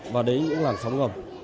và đấy cũng là sống ngầm